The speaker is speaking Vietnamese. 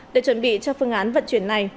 để chuẩn bị cho phương án vận chuyển này